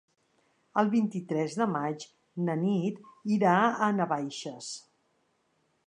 El vint-i-tres de maig na Nit irà a Navaixes.